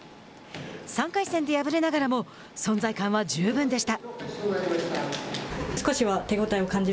３回戦で敗れながらも存在感は十分でした。